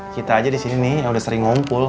kita aja di sini nih udah sering ngumpul